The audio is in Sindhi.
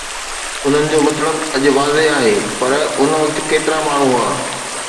انهن جو مطلب اڄ واضح آهي، پر ان وقت ڪيترا ماڻهو هئا؟